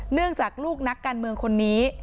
เนื่องจากลูกนักการเมืองคนนี้